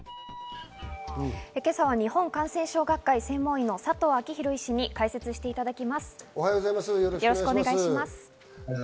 今朝は日本感染症学会・専門医の佐藤昭裕医師に解説していただきます。